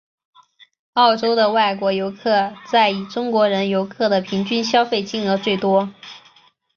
澳洲的外国游客在以中国人游客的平均消费金额最多。